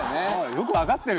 よくわかってる。